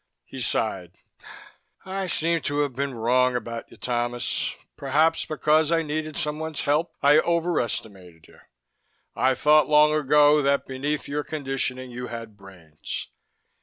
He sighed. "I seem to have been wrong about you, Thomas. Perhaps because I needed someone's help, I overestimated you. I thought long ago that beneath your conditioning you had brains.